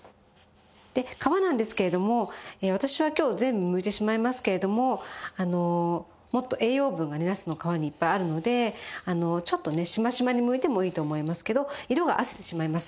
で皮なんですけれども私は今日全部むいてしまいますけれどももっと栄養分がねなすの皮にいっぱいあるのでちょっとねしましまにむいてもいいと思いますけど色があせてしまいます。